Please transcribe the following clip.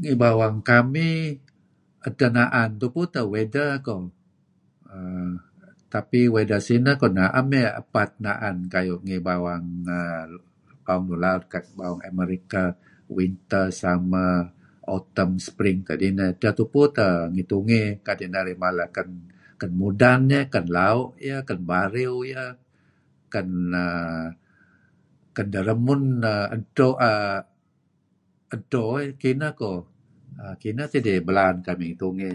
Ngih bawang kami... edteh na'an tupu weather ko' na'em ieh epat naan kayu' ngih bawang lun la'ud kayu' nigh bawang Amerika - Winter summer, autumn, spring tad ineh. Edteh tupu tieh kadi' narih mala ken mudan ieh, ken lau' ieh, ken bariw ieh, ken errr... ken deremun err... dto err... edto ko'. Kineh teh belaan kamih tungey.